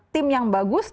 tim yang bagus